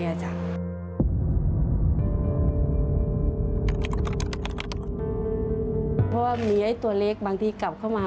เพราะว่ามีไอ้ตัวเล็กบางทีกลับเข้ามา